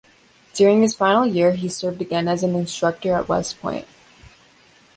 During his final year, he served again as an instructor at West Point.